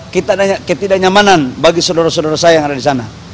ketidaknyamanan bagi saudara saudara saya yang ada di sana